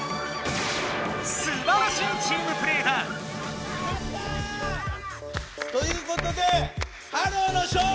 すばらしいチームプレーだ！ということでｈｅｌｌｏ，の勝利！